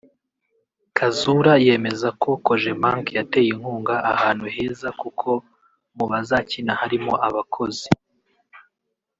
Kazura yemeza ko Cogebanque yateye inkunga ahantu heza kuko mu bazakina harimo abakozi